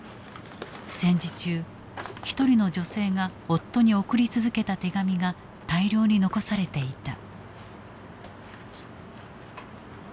戦時中一人の女性が夫に送り続けた手紙が大量に残されていた。